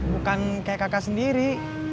bukan kayak kakak sendiri